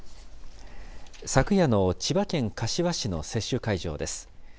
昨夜の千葉県柏市の接種会場です。